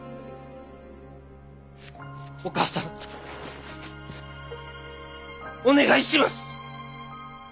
お母さんお願いします！